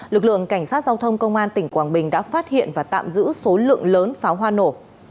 lực lượng cảnh sát giao thông công an tỉnh quảng bình đã phát hiện và tạm giữ số lượng lớn pháo hoa nổ